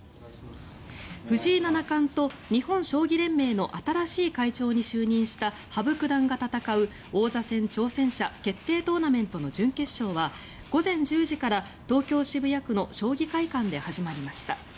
藤井七冠と日本将棋連盟の新しい会長に就任した羽生九段が戦う王座戦挑戦者決定トーナメントの準決勝は午前１０時から東京・渋谷区の将棋会館で始まりました。